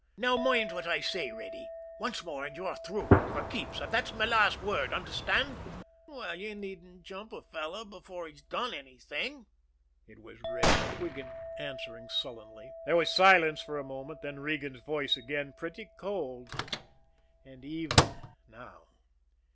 "Now mind what I say, Reddy! Once more, and you're through for keeps. And that's my last word. Understand?" "Well, you needn't jump a fellow before he's done anything!" It was Reddy MacQuigan, answering sullenly. There was silence for a moment; then Regan's voice again, pretty cold and even now.